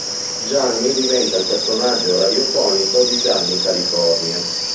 Gianni diventa il personaggio radiofonico di "Gianni California".